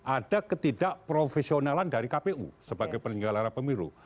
ada ketidakprofesionalan dari kpu sebagai penyelenggara pemilu